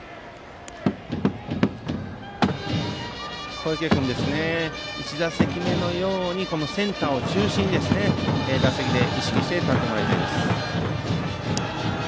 小池君、１打席目のようにセンター中心に意識してもらいたいです。